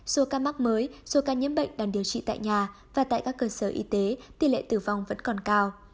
do ca mắc mới do ca nhiễm bệnh đàn điều trị tại nhà và tại các cơ sở y tế tỷ lệ tử vong vẫn còn cao